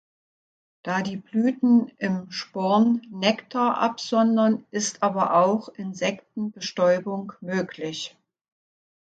Da die Blüten im Sporn Nektar absondern, ist aber auch Insektenbestäubung möglich.